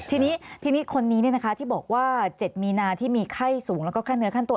ทีนี้ทีนี้คนนี้ที่บอกว่า๗มีนาที่มีไข้สูงแล้วก็ขั้นเนื้อขั้นตัว